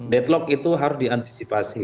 deadlock itu harus diantisipasi